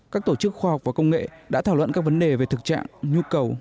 các tổ chức khoa học và công nghệ đã thảo luận các vấn đề về thực trạng nhu cầu